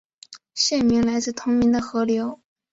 县名来自同名的河流。